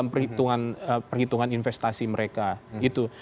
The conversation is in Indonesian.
mereka faktorkan di dalam perhitungan investasi mereka gitu